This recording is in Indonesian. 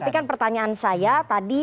tapi kan pertanyaan saya tadi